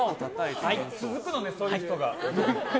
続くのね、そういうのが。